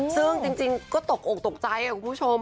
ซึ่งจริงก็ตกอกตกใจคุณผู้ชม